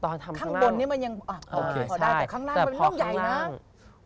ตอนทำข้างล่างข้างบนนี่มันยังพอได้แต่ข้างล่างมันต้องใหญ่นะ